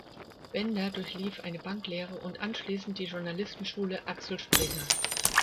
Bender durchlief eine Banklehre und anschließend die Journalistenschule Axel Springer.